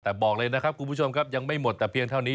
แต่บอกเลยนะครับคุณผู้ชมครับยังไม่หมดแต่เพียงเท่านี้